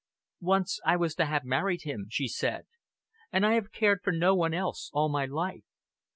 "Once I was to have married him," she said, "and I have cared for no one else all my life.